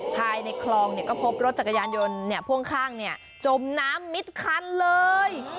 ภายในคลองก็พบรถจักรยานยนต์พ่วงข้างจมน้ำมิดคันเลย